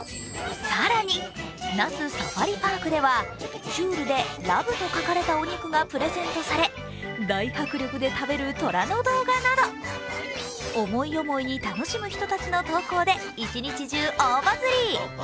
更に、那須サファリパークではちゅるでＬＯＶＥと書かれたお肉がプレゼントされ、大迫力で食べるとらの動画など思い思いに楽しむ人たちの投稿で一日中大バズリ。